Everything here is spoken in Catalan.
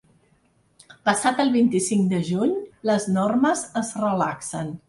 Passat el vint-i-cinc de juny, les normes es relaxen.